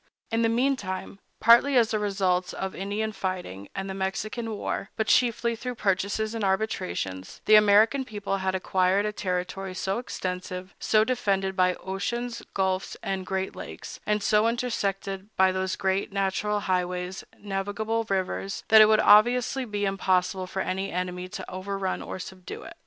In the meantime, partly as the results of Indian fighting and the Mexican war, but chiefly through purchases and arbitrations, the American people had acquired a territory so extensive, so defended by oceans, gulfs, and great lakes, and so intersected by those great natural highways, navigable rivers, that it would obviously be impossible for any enemy to overrun or subdue it.